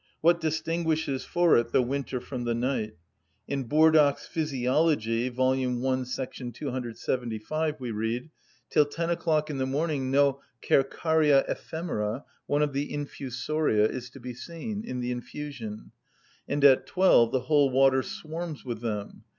What distinguishes for it the winter from the night? In Burdach's "Physiology," vol. i. § 275, we read, "Till ten o'clock in the morning no Cercaria ephemera (one of the infusoria) is to be seen (in the infusion), and at twelve the whole water swarms with them.